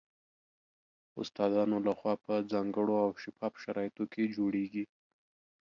استادانو له خوا په ځانګړو او شفاف شرایطو کې جوړیږي